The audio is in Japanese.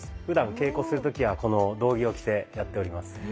ふだん稽古する時はこの道着を着てやっております。